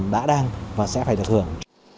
đã đang và sẽ phải được thưởng